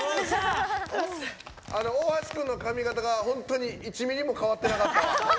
大橋君の髪形が、本当に１ｍｍも変わってなかった。